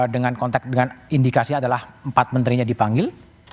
dengan kontak dengan indikasi adalah empat menterinya dipanggil